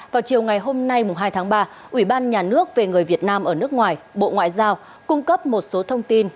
vào chiều ngày hôm nay hai tháng ba ủy ban nhà nước về người việt nam ở nước ngoài bộ ngoại giao cung cấp một số thông tin